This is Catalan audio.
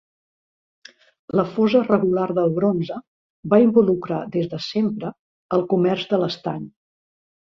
La fosa regular del bronze va involucrar, des de sempre, el comerç de l'estany.